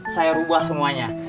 saya ubah semuanya